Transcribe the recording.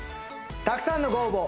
たくさんのご応募